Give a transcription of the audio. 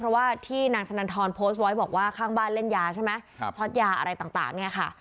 เพราะว่าที่นางสนันทรโพสต์ไว้บอกว่าข้างบ้านเล่นยาใช่ไหมช็อตยาอะไรต่างเนี่ยค่ะ